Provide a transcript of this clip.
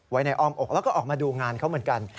ไว้ในอ้อมอกแล้วก็ออกมาดูงานเขาเหมือนกัน